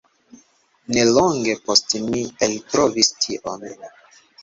Nelonge poste mi eltrovis tion.